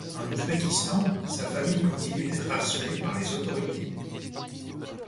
En Ouzbékistan, sa famille continue d'être harcelée par les autorités.